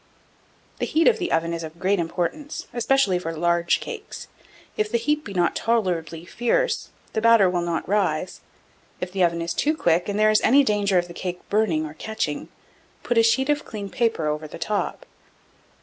1709. The heat of the oven is of great importance, especially for large cakes. If the heat be not tolerably fierce, the batter will not rise. If the oven is too quick, and there is any danger of the cake burning or catching, put a sheet of clean paper over the top.